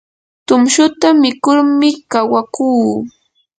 tumshuta mikurmi kawakuu.